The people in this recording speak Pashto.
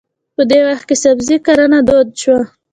په دې وخت کې سبزي کرنه دود شوه.